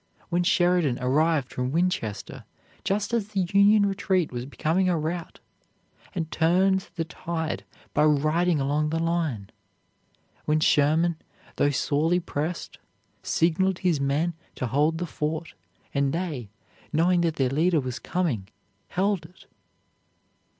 when Sheridan arrived from Winchester just as the Union retreat was becoming a rout, and turned the tide by riding along the line? when Sherman, though sorely pressed, signaled his men to hold the fort, and they, knowing that their leader was coming, held it?